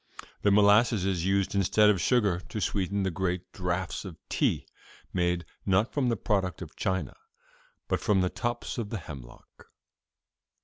The molasses is used instead of sugar to sweeten the great draughts of tea made, not from the product of China, but from the tops of the hemlock.